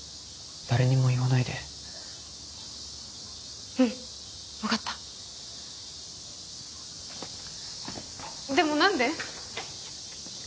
誰にも言わないでうん分かったでも何で？